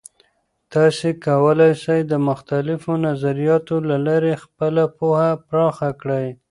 تاسې کولای سئ د مختلفو نظریاتو له لارې خپله پوهه پراخه کړئ.